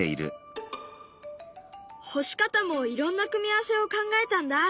干し方もいろんな組み合わせを考えたんだ。